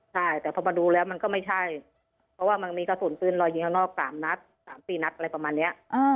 ใช่แต่พอมาดูแล้วมันก็ไม่ใช่เพราะว่ามันมีกระสุนปืนรอยยิงข้างนอก๓นัด๓๔นัดอะไรประมาณนี้